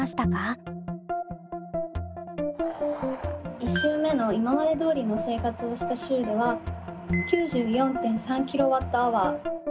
１週目の今までどおりの生活をした週では９４．３ｋＷｈ。